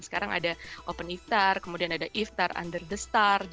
sekarang ada open iftar kemudian ada iftar under the star